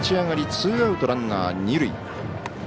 立ち上がり、ツーアウトランナー、二塁。